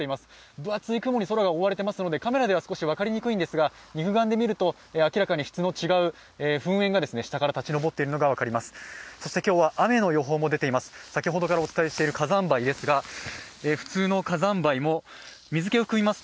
分厚い雲に空が覆われていますのでカメラでは少しわかりにくいんですが、肉眼で見ると明らかに質の違う噴煙が下から立ち上っているのが分かります。